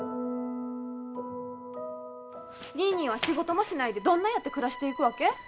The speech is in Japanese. ニーニーは仕事もしないでどんなやって暮らしていくわけ？